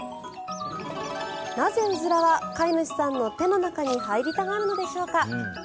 なぜ、ウズラは飼い主さんの手の中に入りたがるのでしょうか。